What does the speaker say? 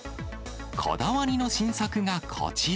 こだわりの新作がこちら。